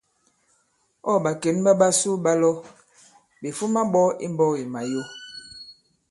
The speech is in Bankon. Ɔ̂ ɓàkěn ɓa ɓasu ɓa lɔ, ɓè fuma ɓɔ i mbɔ̄k i Màyo.